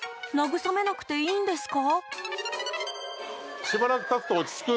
慰めなくていいんですか？